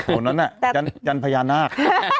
ตรงนั้นน่ะยันพญานาค